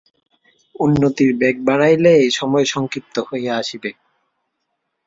উন্নতির বেগ বাড়াইলে এই সময় সংক্ষিপ্ত হইয়া আসিবে।